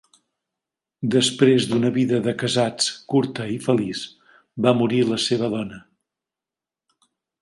Després d'una vida de casats curta i feliç, va morir la seva dona.